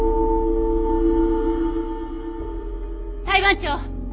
裁判長！